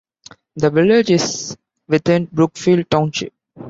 The village is within Brookfield Township.